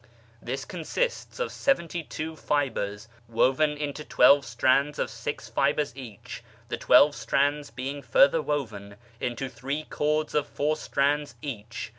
This consists of seventy two ibres woven into twelve strands of six fibres each, the twelve trauds being further woven into three cords of four strands ach.